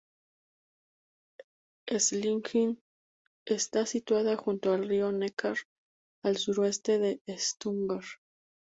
Esslingen está situada junto al río Neckar, al suroeste de Stuttgart.